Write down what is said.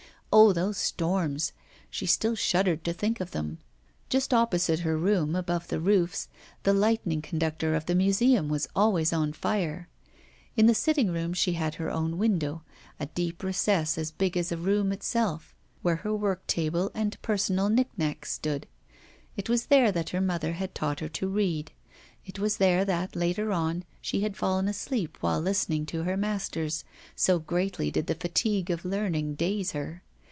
Oh! those storms; she still shuddered to think of them. Just opposite her room, above the roofs, the lightning conductor of the museum was always on fire. In the sitting room she had her own window a deep recess as big as a room itself where her work table and personal nick nacks stood. It was there that her mother had taught her to read; it was there that, later on, she had fallen asleep while listening to her masters, so greatly did the fatigue of learning daze her.